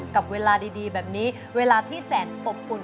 กับเวลาดีแบบนี้เวลาที่แสนอบอุ่น